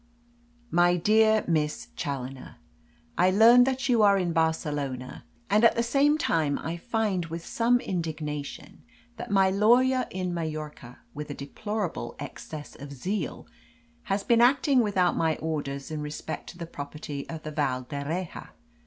"MY DEAR MISS CHALLONER, I learn that you are in Barcelona, and at the same time I find with some indignation that my lawyer in Mallorca, with a deplorable excess of zeal, has been acting without my orders in respect to the property of the Val d'Erraha.